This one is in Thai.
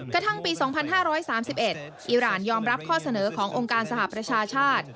กระทั่งปี๒๕๓๑อิราณยอมรับข้อเสนอขององค์การสหประชาชาติ